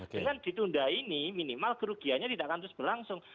dengan ditunda ini minimal kerugiannya tidak akan terus berlangsung